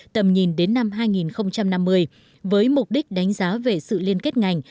tầm nhìn đến năm hai nghìn năm mươi với mục đích đánh giá về sự liên kết ngành